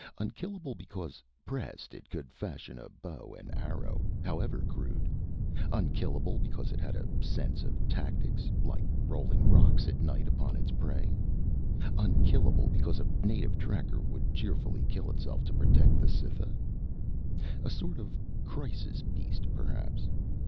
Unkillable because, pressed, it could fashion a bow and arrow, however crude? Unkillable because it had a sense of tactics, like rolling rocks at night upon its enemy? Unkillable because a native tracker would cheerfully kill itself to protect the Cytha? A sort of crisis beast, perhaps?